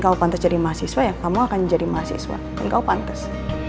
kamu pantas jadi mahasiswa yang kamu akan jadi mahasiswa dan kau pantas